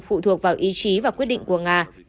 phụ thuộc vào ý chí và quyết định của nga